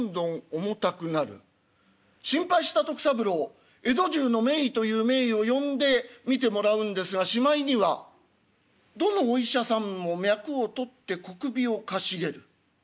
心配した徳三郎江戸中の名医という名医を呼んで診てもらうんですがしまいにはどのお医者さんも脈をとって小首をかしげる。